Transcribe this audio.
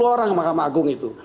dua orang mahkamah agung itu